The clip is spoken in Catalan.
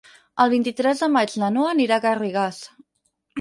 El vint-i-tres de maig na Noa anirà a Garrigàs.